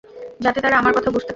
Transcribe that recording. যাতে তারা আমার কথা বুঝতে পারে।